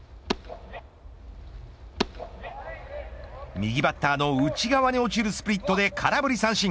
右バッターの内側に落ちるスプリットで空振り三振。